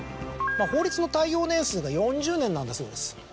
法律の耐用年数が４０年なんだそうです。